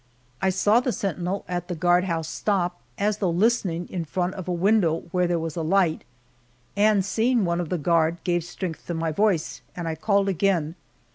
I saw the sentinel at the guardhouse stop, as though listening, in front of a window where there was a light, and seeing one of the guard gave strength to my voice, and I called again.